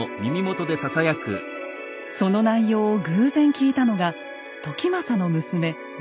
その内容を偶然聞いたのが時政の娘政子。